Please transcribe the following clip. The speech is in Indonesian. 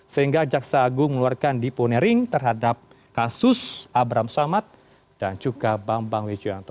sehingga jaksa agung mengeluarkan diponering terhadap kasus abram samad dan juga bambang wijuyanto